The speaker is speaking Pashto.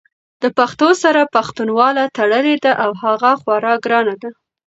د پښتو سره پښتنواله تړلې ده او هغه خورا ګرانه ده!